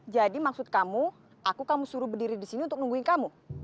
jadi maksud kamu aku kamu suruh berdiri disini untuk nungguin kamu